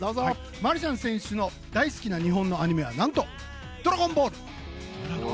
マルシャン選手の大好きな日本のアニメは何と「ドラゴンボール」。